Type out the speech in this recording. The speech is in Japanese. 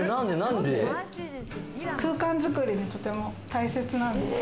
空間づくりに、とても大切なんです。